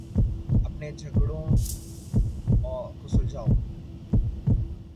اپنے جھگڑوں کو سلجھاؤ۔